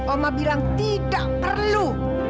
oma bilang tidak perlu